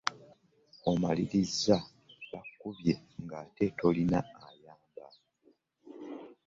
Omaliriza bakubbye ng'ate tolina ayamba.